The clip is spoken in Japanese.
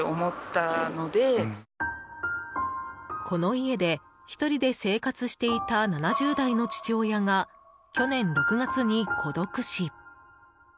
この家で１人で生活していた７０代の父親が去年６月に孤独死。